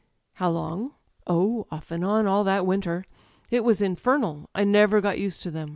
*'How long? Oh, off and on all that winter. It was infernal. I never got used to them.